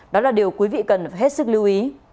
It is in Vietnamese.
đó là điều quý vị cần phải hết sức lưu ý